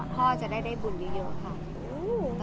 พ่อจะได้บุญเยอะค่ะ